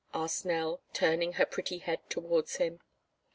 asked Nell, turning her pretty head towards him.